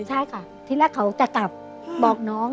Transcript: ใช่ค่ะที่แรกเขาจะตับบอกน้อง